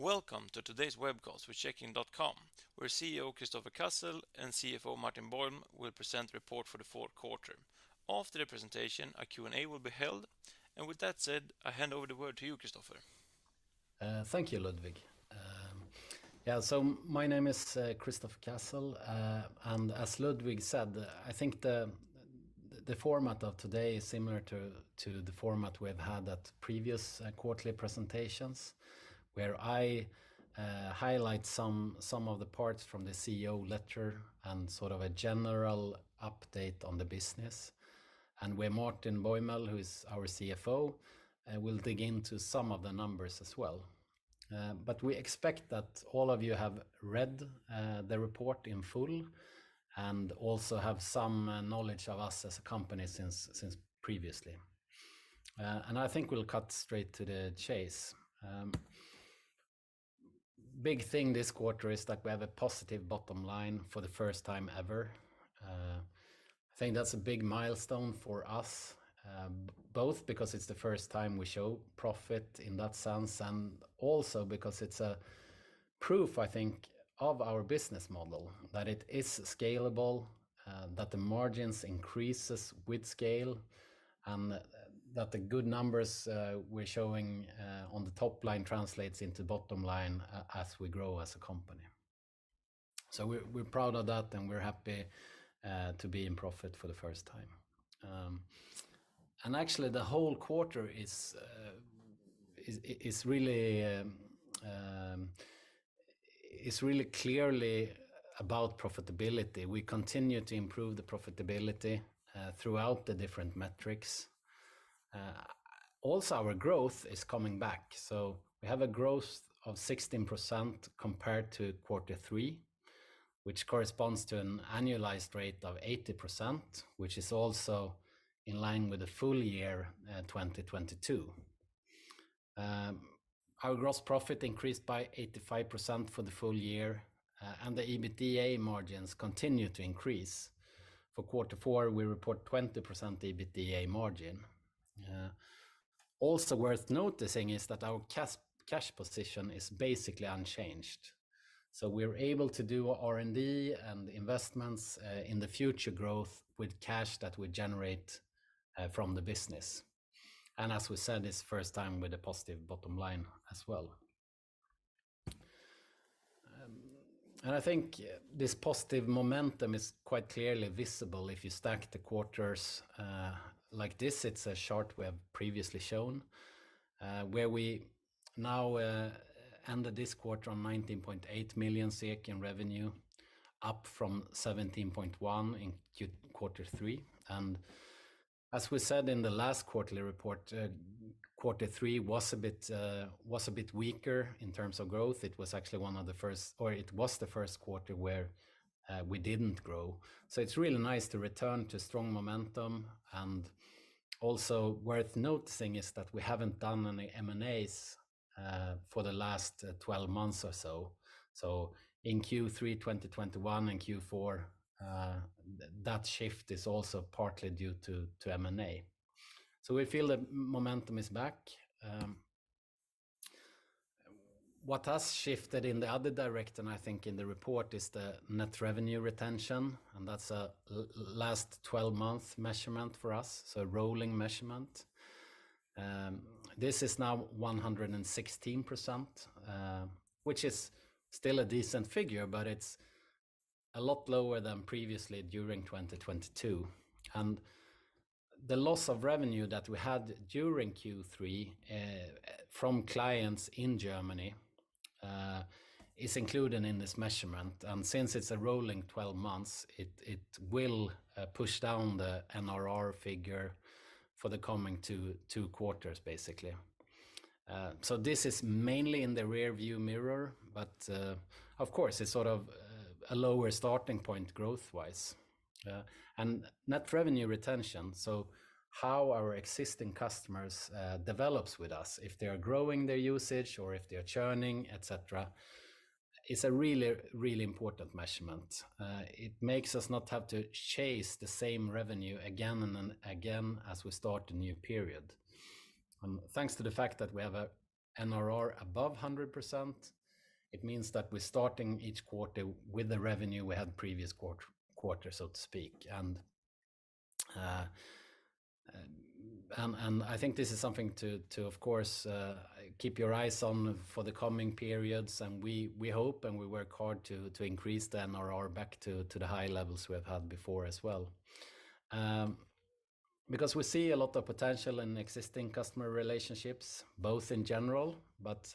Welcome to today's webcast with Checkin.com, where CEO Kristoffer Cassel and CFO Martin Bäuml will present the report for the fourth quarter. After the presentation, a Q&A will be held. With that said, I hand over the word to you, Christopher. Thank you, Ludwig. Yeah, my name is Kristoffer Cassel. As Ludwig said, I think the format of today is similar to the format we've had at previous quarterly presentations, where I highlight some of the parts from the CEO letter and sort of a general update on the business. Where Martin Bäuml, who is our CFO, will dig into some of the numbers as well. We expect that all of you have read the report in full and also have some knowledge of us as a company since previously. I think we'll cut straight to the chase. Big thing this quarter is that we have a positive bottom line for the first time ever. I think that's a big milestone for us, both because it's the first time we show profit in that sense, and also because it's a proof, I think, of our business model, that it is scalable, that the margins increases with scale, and that the good numbers we're showing on the top line translates into bottom line as we grow as a company. We're, we're proud of that, and we're happy to be in profit for the first time. Actually the whole quarter is really clearly about profitability. We continue to improve the profitability throughout the different metrics. Our growth is coming back. We have a growth of 16% compared to quarter three, which corresponds to an annualized rate of 80%, which is also in line with the full year 2022. Our gross profit increased by 85% for the full year, and the EBITDA margins continue to increase. For quarter four, we report 20% EBITDA margin. Also worth noticing is that our cash position is basically unchanged. We're able to do R&D and investments in the future growth with cash that we generate from the business. As we said, it's first time with a positive bottom line as well. I think this positive momentum is quite clearly visible if you stack the quarters like this. It's a chart we have previously shown, where we now ended this quarter on 19.8 million SEK in revenue, up from 17.1 million in quarter three. As we said in the last quarterly report, quarter three was a bit weaker in terms of growth. It was actually one of the first or it was the first quarter where we didn't grow. It's really nice to return to strong momentum. Also worth noting is that we haven't done any M&As for the last 12 months or so. In Q3 2021 and Q4, that shift is also partly due to M&A. We feel the momentum is back. What has shifted in the other direction, I think in the report, is the net revenue retention, and that's a last 12 month measurement for us, so rolling measurement. This is now 116%, which is still a decent figure, but it's a lot lower than previously during 2022. The loss of revenue that we had during Q3, from clients in Germany, is included in this measurement. Since it's a rolling 12 months, it will push down the NRR figure for the coming 2 quarters, basically. So this is mainly in the rearview mirror, but, of course, it's sort of a lower starting point growth-wise. Net revenue retention, so how our existing customers develops with us, if they are growing their usage or if they are churning, et cetera, is a really, really important measurement. It makes us not have to chase the same revenue again and then again as we start a new period. Thanks to the fact that we have a NRR above 100%, it means that we're starting each quarter with the revenue we had previous quarter, so to speak. I think this is something to of course keep your eyes on for the coming periods. We hope and we work hard to increase the NRR back to the high levels we have had before as well. Because we see a lot of potential in existing customer relationships, both in general, but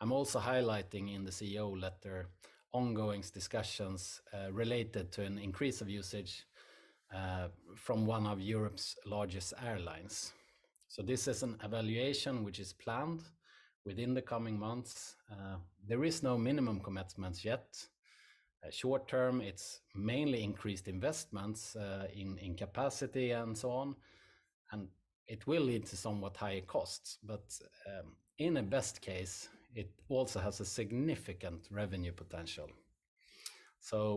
I'm also highlighting in the CEO letter ongoing discussions related to an increase of usage from one of Europe's largest airlines. This is an evaluation which is planned within the coming months. There is no minimum commitments yet. Short term, it's mainly increased investments in capacity and so on, and it will lead to somewhat higher costs. In a best case, it also has a significant revenue potential.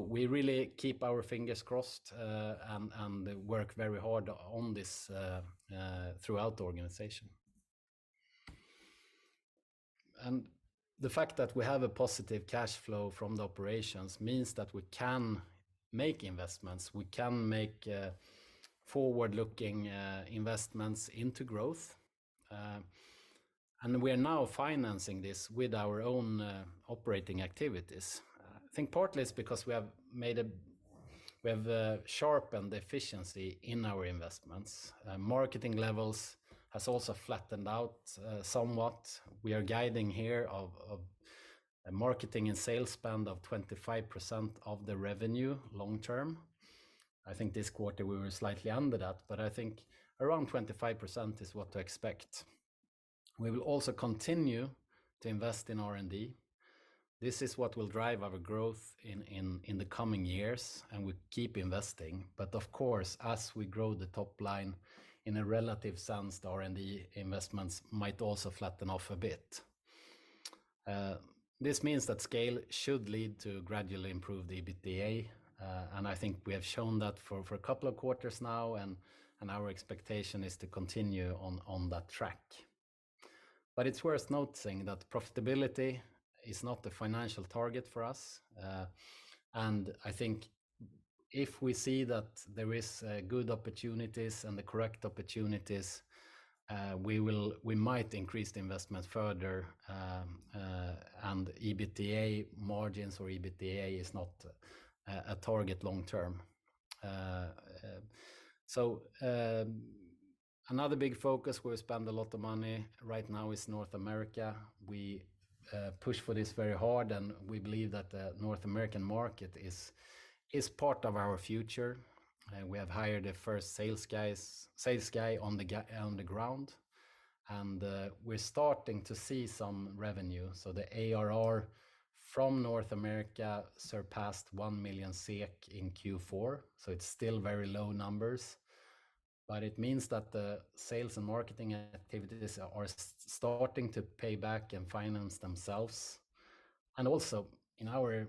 We really keep our fingers crossed and work very hard on this throughout the organization. The fact that we have a positive cash flow from the operations means that we can make investments. We can make forward-looking investments into growth. We are now financing this with our own operating activities. I think partly it's because we have sharpened the efficiency in our investments. Marketing levels has also flattened out somewhat. We are guiding here of a marketing and sales spend of 25% of the revenue long term. I think this quarter we were slightly under that, but I think around 25% is what to expect. We will also continue to invest in R&D. This is what will drive our growth in the coming years, and we keep investing. Of course, as we grow the top line in a relative sense, the R&D investments might also flatten off a bit. This means that scale should lead to gradually improved EBITDA, and I think we have shown that for a couple of quarters now and our expectation is to continue on that track. It's worth noting that profitability is not the financial target for us. I think if we see that there is good opportunities and the correct opportunities, we might increase the investment further, and EBITDA margins or EBITDA is not a target long term. Another big focus where we spend a lot of money right now is North America. We push for this very hard, and we believe that the North American market is part of our future. We have hired the first sales guy on the ground, and we're starting to see some revenue. The ARR from North America surpassed 1 million SEK in Q4, so it's still very low numbers. It means that the sales and marketing activities are starting to pay back and finance themselves. Also, in our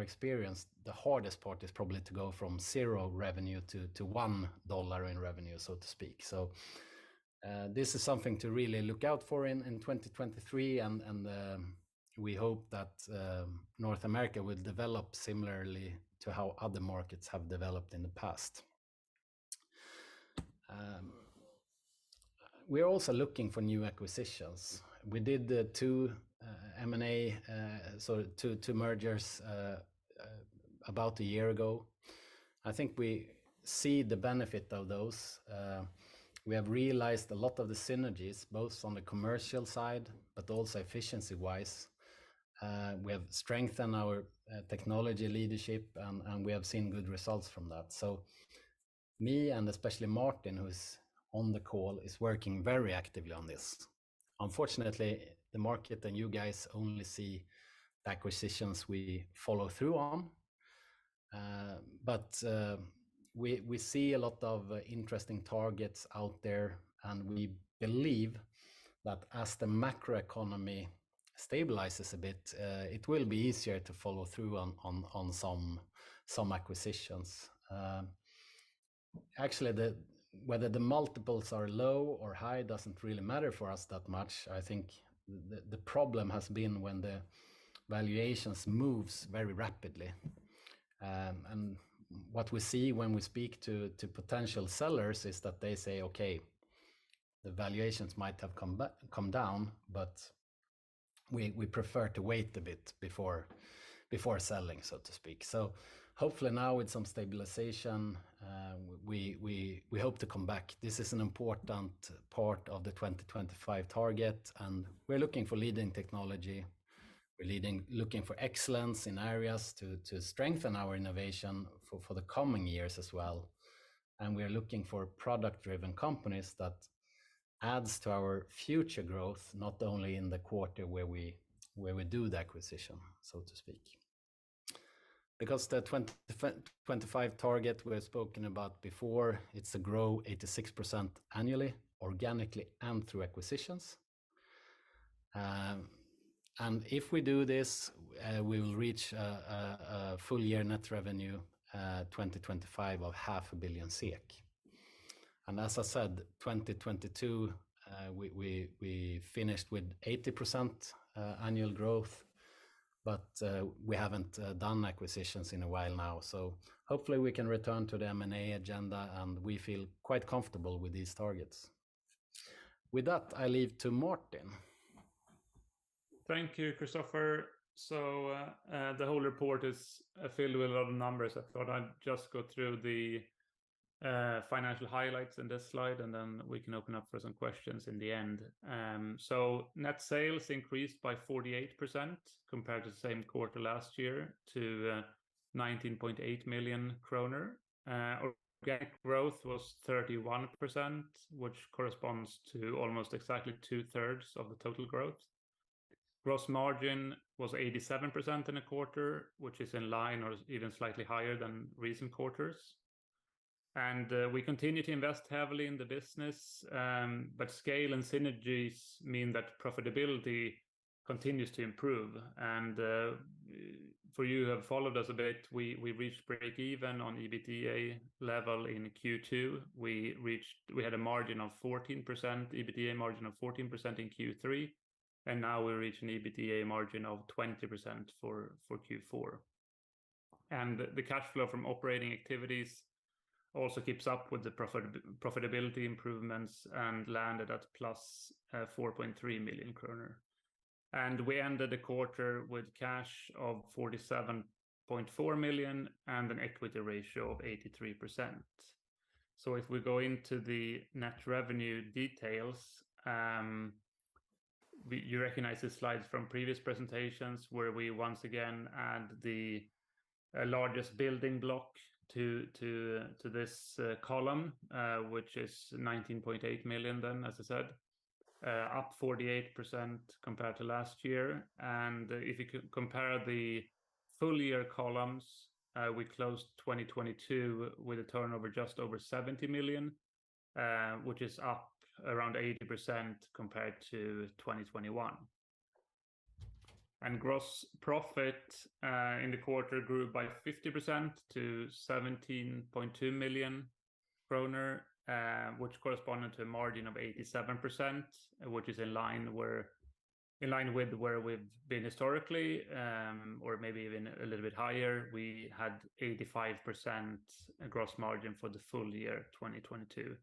experience, the hardest part is probably to go from zero revenue to $1 in revenue, so to speak. This is something to really look out for in 2023 and we hope that North America will develop similarly to how other markets have developed in the past. We are also looking for new acquisitions. We did the two M&A, so two mergers about a year ago. I think we see the benefit of those. We have realized a lot of the synergies, both on the commercial side, but also efficiency-wise. We have strengthened our technology leadership and we have seen good results from that. Me, and especially Martin, who is on the call, is working very actively on this. Unfortunately, the market and you guys only see the acquisitions we follow through on. We see a lot of interesting targets out there, and we believe that as the macroeconomy stabilizes a bit, it will be easier to follow through on some acquisitions. Actually, whether the multiples are low or high doesn't really matter for us that much. I think the problem has been when the valuations moves very rapidly. What we see when we speak to potential sellers is that they say, "Okay, the valuations might have come down, we prefer to wait a bit before selling," so to speak. Hopefully now with some stabilization, we hope to come back. This is an important part of the 2025 target. We're looking for leading technology. We're looking for excellence in areas to strengthen our innovation for the coming years as well. We are looking for product-driven companies that adds to our future growth, not only in the quarter where we do the acquisition, so to speak. The 2025 target we have spoken about before, it's to grow 86% annually, organically and through acquisitions. If we do this, we will reach a full year net revenue, 2025 of half a billion SEK. As I said, 2022, we finished with 80% annual growth. We haven't done acquisitions in a while now. Hopefully we can return to the M&A agenda, and we feel quite comfortable with these targets. With that, I leave to Martin. Thank you, ristoffer. The whole report is filled with a lot of numbers. I thought I'd just go through the financial highlights in this slide, and then we can open up for some questions in the end. Net sales increased by 48% compared to the same quarter last year to 19.8 million kronor. Organic growth was 31%, which corresponds to almost exactly two-thirds of the total growth. Gross margin was 87% in a quarter, which is in line or even slightly higher than recent quarters. We continue to invest heavily in the business, but scale and synergies mean that profitability continues to improve. For you who have followed us a bit, we reached break even on EBITDA level in Q2. We had an EBITDA margin of 14% in Q3. Now we reach an EBITDA margin of 20% for Q4. The cash flow from operating activities also keeps up with the profitability improvements and landed at +4.3 million kronor. We ended the quarter with cash of 47.4 million and an equity ratio of 83%. If we go into the net revenue details, you recognize the slides from previous presentations where we once again add the largest building block to this column, which is 19.8 million then, as I said. Up 48% compared to last year. If you co-compare the full year columns, we closed 2022 with a turnover just over 70 million, which is up around 80% compared to 2021. Gross profit in the quarter grew by 50% to 17.2 million krona, which corresponded to a margin of 87%, which is in line with where we've been historically, or maybe even a little bit higher. We had 85% gross margin for the full year 2022.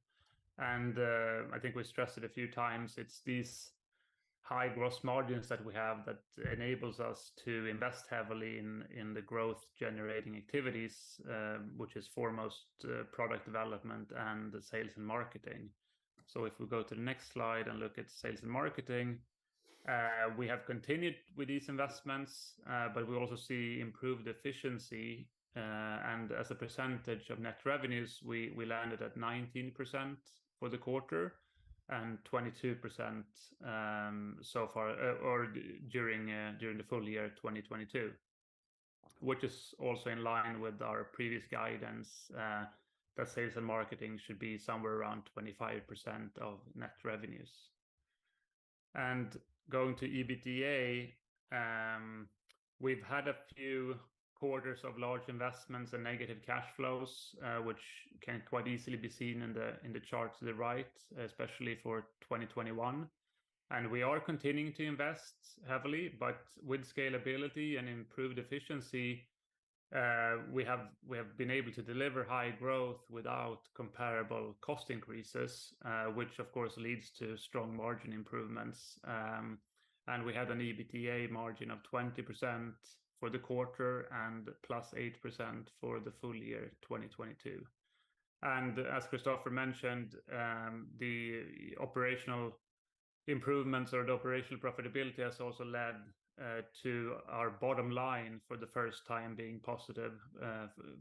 I think we stressed it a few times, it's these high gross margins that we have that enables us to invest heavily in the growth-generating activities, which is foremost, product development and sales and marketing. If we go to the next slide and look at sales and marketing, we have continued with these investments, but we also see improved efficiency, and as a percentage of net revenues, we landed at 19% for the quarter and 22%, so far, or during the full year 2022, which is also in line with our previous guidance, that sales and marketing should be somewhere around 25% of net revenues. Going to EBITDA, we've had a few quarters of large investments and negative cash flows, which can quite easily be seen in the, in the chart to the right, especially for 2021. We are continuing to invest heavily, but with scalability and improved efficiency, we have been able to deliver high growth without comparable cost increases, which of course leads to strong margin improvements. We had an EBITDA margin of 20% for the quarter and +8% for the full year 2022. As Christopher mentioned, the operational improvements or the operational profitability has also led to our bottom line for the first time being positive,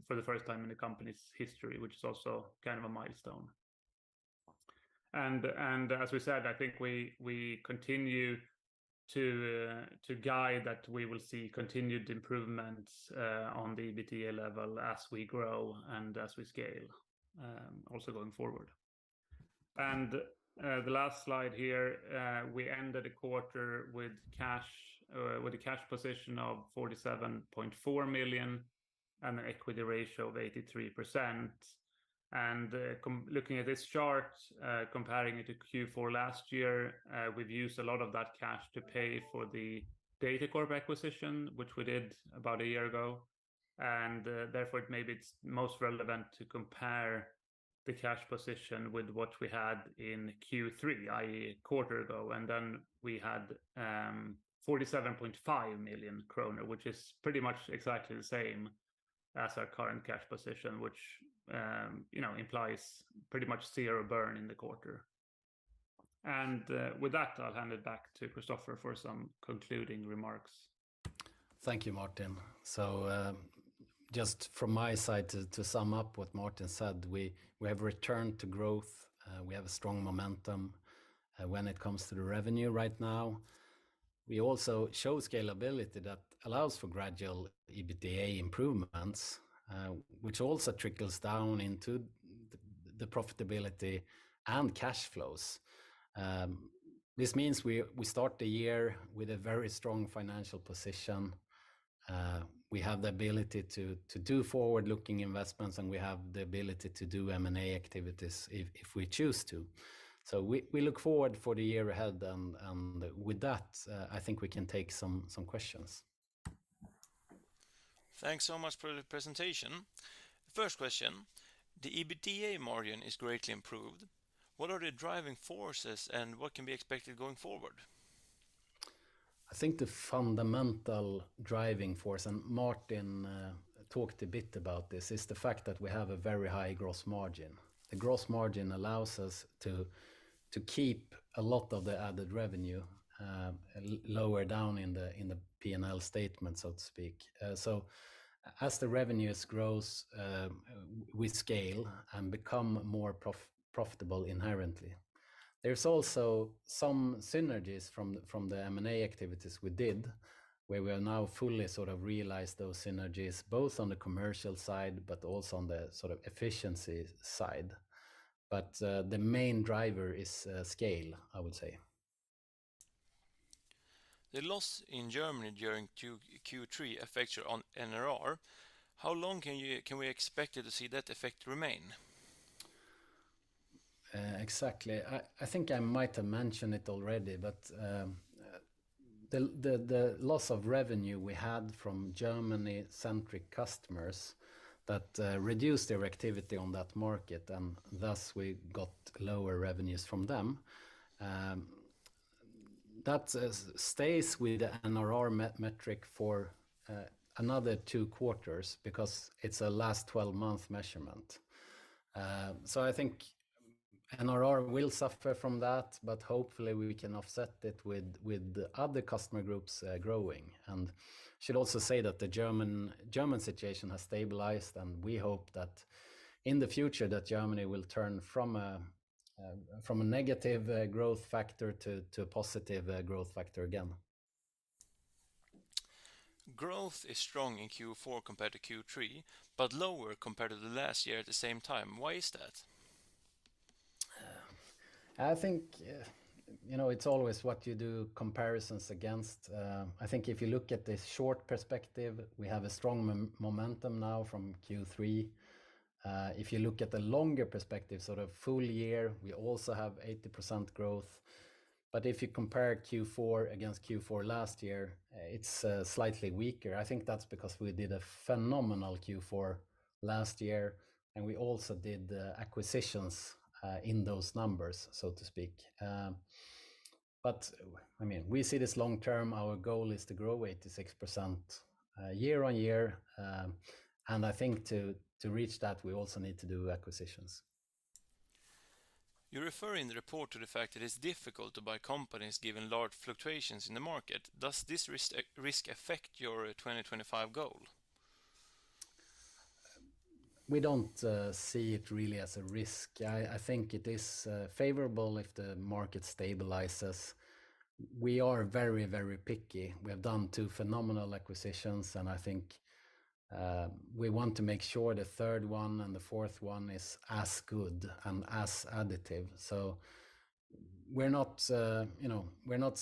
for the first time in the company's history, which is also kind of a milestone. As we said, I think we continue to guide that we will see continued improvements on the EBITDA level as we grow and as we scale, also going forward. The last slide here, we ended the quarter with a cash position of 47.4 million krona and an equity ratio of 83%. Looking at this chart, comparing it to Q4 last year, we've used a lot of that cash to pay for the Datacorp OÜ acquisition, which we did about a year ago. Therefore, it may be it's most relevant to compare the cash position with what we had in Q3, i.e., a quarter ago. Then we had 47.5 million krona, which is pretty much exactly the same as our current cash position, which implies pretty much zero burn in the quarter. With that, I'll hand it back to Christopher for some concluding remarks. Thank you, Martin. Just from my side, to sum up what Martin said, we have returned to growth. We have a strong momentum when it comes to the revenue right now. We also show scalability that allows for gradual EBITDA improvements, which also trickles down into the profitability and cash flows. This means we start the year with a very strong financial position. We have the ability to do forward-looking investments, and we have the ability to do M&A activities if we choose to. We look forward for the year ahead, and with that, I think we can take some questions. Thanks so much for the presentation. First question, the EBITDA margin is greatly improved. What are the driving forces and what can be expected going forward? I think the fundamental driving force, and Martin talked a bit about this, is the fact that we have a very high gross margin. The gross margin allows us to keep a lot of the added revenue lower down in the P&L statement, so to speak. As the revenues grows, we scale and become more profitable inherently. There's also some synergies from the M&A activities we did, where we are now fully sort of realized those synergies, both on the commercial side, but also on the sort of efficiency side. The main driver is scale, I would say. The loss in Germany during Q3 affects your NRR. How long can we expect you to see that effect remain? Exactly. I think I might have mentioned it already, but the loss of revenue we had from Germany-centric customers that reduced their activity on that market, and thus we got lower revenues from them, that stays with the NRR metric for another 2 quarters because it's a last 12-month measurement. I think NRR will suffer from that, but hopefully we can offset it with other customer groups growing. Should also say that the German situation has stabilized, and we hope that in the future that Germany will turn from a negative growth factor to a positive growth factor again. Growth is strong in Q4 compared to Q3, but lower compared to the last year at the same time. Why is that? I think it's always what you do comparisons against. I think if you look at the short perspective, we have a strong momentum now from Q3. If you look at the longer perspective, sort of full year, we also have 80% growth. If you compare Q4 against Q4 last year, it's slightly weaker. I think that's because we did a phenomenal Q4 last year, and we also did the acquisitions in those numbers, so to speak. I mean, we see this long term, our goal is to grow 86% year-on-year. I think to reach that, we also need to do acquisitions. You refer in the report to the fact that it's difficult to buy companies given large fluctuations in the market. Does this risk affect your 2025 goal? We don't see it really as a risk. I think it is favorable if the market stabilizes. We are very, very picky. We have done two phenomenal acquisitions, and I think we want to make sure the third one and the fourth one is as good and as additive. We're not we're not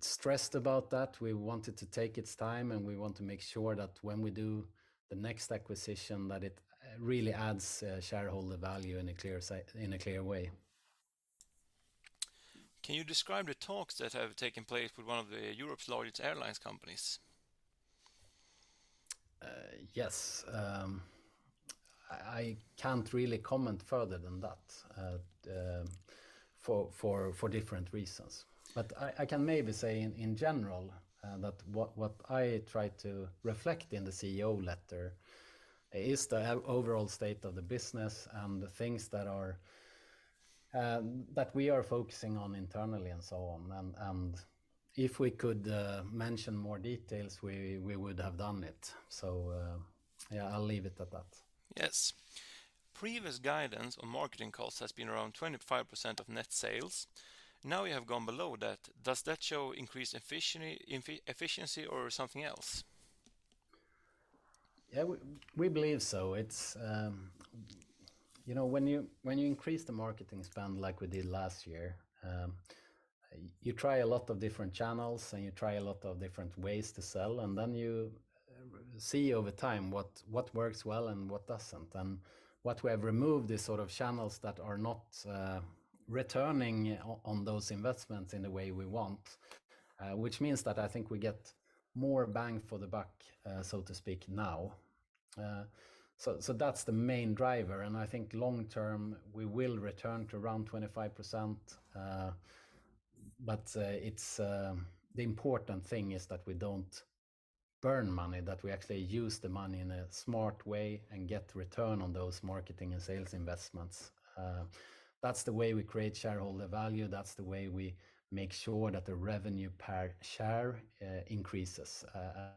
stressed about that. We want it to take its time, and we want to make sure that when we do the next acquisition, that it really adds shareholder value in a clear in a clear way. Can you describe the talks that have taken place with one of the Europe's largest airlines companies? Yes. I can't really comment further than that, for different reasons. I can maybe say in general that what I try to reflect in the CEO letter is the overall state of the business and the things that are that we are focusing on internally and so on. If we could mention more details, we would have done it. Yeah, I'll leave it at that. Yes. Previous guidance on marketing costs has been around 25% of net sales. Now you have gone below that. Does that show increased efficiency or something else? Yeah, we believe so. it's when you increase the marketing spend like we did last year, you try a lot of different channels and you try a lot of different ways to sell, and then you see over time what works well and what doesn't. What we have removed is sort of channels that are not returning on those investments in the way we want, which means that I think we get more bang for the buck, so to speak now. So that's the main driver. I think long term, we will return to around 25%. It's the important thing is that we don't burn money, that we actually use the money in a smart way and get return on those marketing and sales investments. That's the way we create shareholder value. That's the way we make sure that the revenue per share increases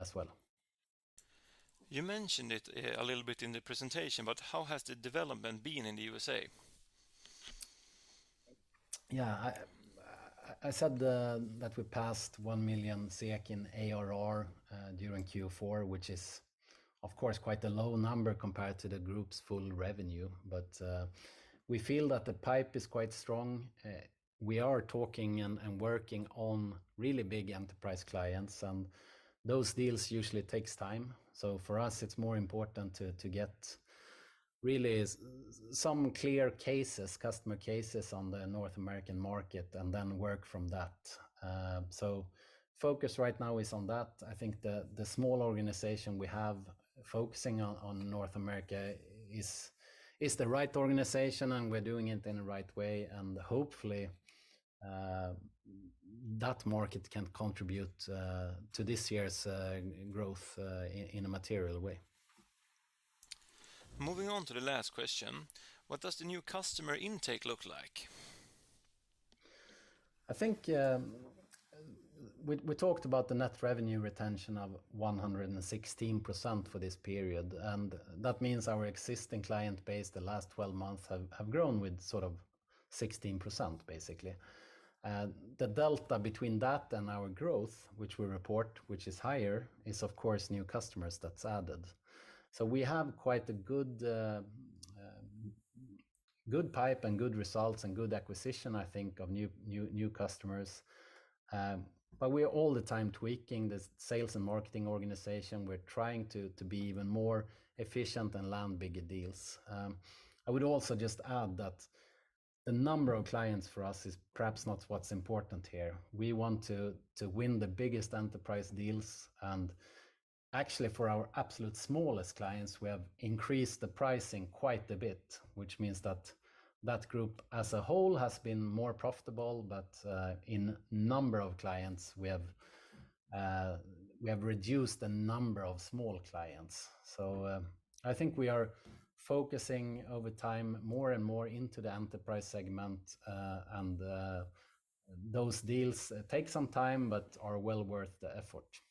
as well. You mentioned it, a little bit in the presentation, but how has the development been in the U.S.A.? Yeah. I said that we passed 1 million SEK in ARR during Q4, which is of course quite a low number compared to the group's full revenue. We feel that the pipe is quite strong. We are talking and working on really big enterprise clients, and those deals usually takes time. For us, it's more important to get really some clear cases, customer cases on the North American market and then work from that. Focus right now is on that. I think the small organization we have focusing on North America is the right organization, and we're doing it in the right way, and hopefully that market can contribute to this year's growth in a material way. Moving on to the last question. What does the new customer intake look like? I think we talked about the net revenue retention of 116% for this period, that means our existing client base the last 12 months have grown with sort of 16%. The delta between that and our growth, which we report, which is higher, is of course new customers that's added. We have quite a good pipe and good results and good acquisition, I think, of new customers. We're all the time tweaking the sales and marketing organization. We're trying to be even more efficient and land bigger deals. I would also just add that the number of clients for us is perhaps not what's important here. We want to win the biggest enterprise deals. Actually, for our absolute smallest clients, we have increased the pricing quite a bit, which means that that group as a whole has been more profitable, but, in number of clients, we have reduced the number of small clients. I think we are focusing over time more and more into the enterprise segment, and those deals take some time but are well worth the effort.